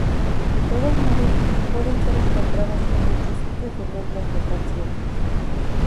De todos modos, pueden ser encontradas en muchos sitios de letras de canciones.